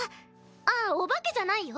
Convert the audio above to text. あっお化けじゃないよ。